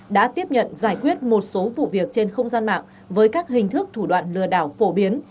đã tiếp nhận giải quyết một số vụ việc trên không gian mạng với các hình thức thủ đoạn lừa đảo phổ biến